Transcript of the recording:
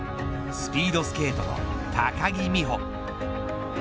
スピードスケートの高木美帆。